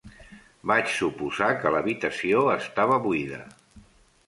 Vaig suposar que l'habitació estava buida.